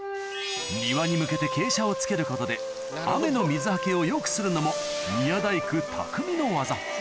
庭に向けて傾斜をつけることで雨の水捌けをよくするのも宮大工匠の技